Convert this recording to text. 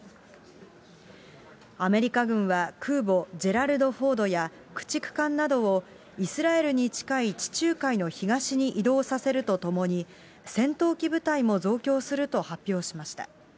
アメリカ軍は空母ジェラルド・フォードや駆逐艦などを、イスラエルに近い地中海の東に移動させるとともに、戦闘機部隊も増強すると発表しました。